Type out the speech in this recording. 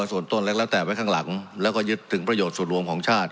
ส่วนต้นแล้วแต่ไว้ข้างหลังแล้วก็ยึดถึงประโยชน์ส่วนรวมของชาติ